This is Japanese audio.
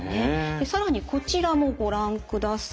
更にこちらもご覧ください。